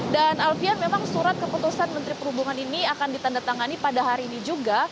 dan alfian memang surat keputusan menteri perhubungan ini akan ditandatangani pada hari ini juga